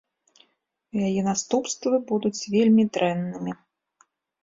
Яе наступствы будуць вельмі дрэннымі.